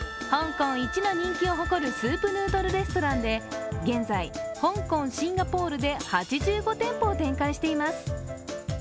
香港一の人気を誇るスープヌードルレストランで現在、香港・シンガポールで８５店舗を展開しています。